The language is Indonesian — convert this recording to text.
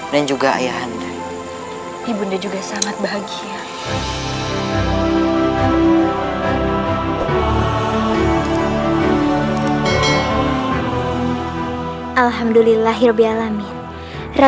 dan juga ayah anda